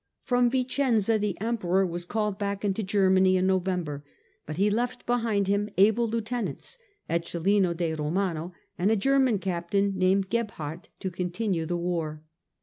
From Vicenza the Emperor was called back into Germany in November, but he left behind him able lieutenants, Eccelin de Romano and a German captain named Gebhardt, to continue the war.